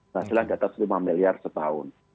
hasilnya datas rp lima miliar setahun